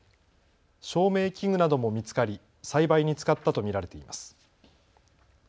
照明器具なども見つかり栽培に使ったと見られています。